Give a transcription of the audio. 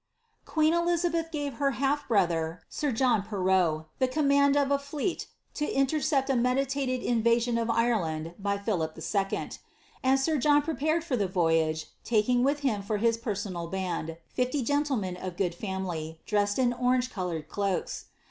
Queen Elizabeth gave her half brother, sir John Perrot, the command of a fleet to intercept a meditated invasion of Ireland by Philip II. And sir John prepared for the voyage, taking with him fof his personal band fifty gentlemen of good family, dressed in orange coloured cloaks.